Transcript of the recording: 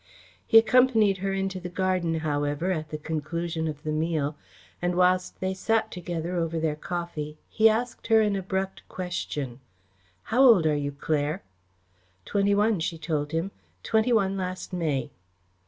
He accompanied her into the garden, however, at the conclusion of the meal, and whilst they sat together over their coffee he asked her an abrupt question. "How old are you, Claire?" "Twenty one," she told him, "twenty one last May."